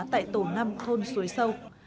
tại tổ năm thôn suối sâu